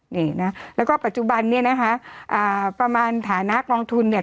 นี่นะแล้วก็ปัจจุบันเนี่ยนะคะอ่าประมาณฐานะกองทุนเนี่ย